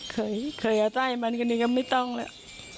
เคยอาจารย์มันกันอีกก็ไม่ต้องแล้ว